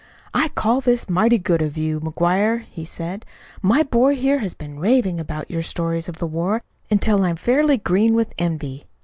"I call this mighty good of you, McGuire," he said. "My boy here has been raving about your stories of the war until I'm fairly green with envy.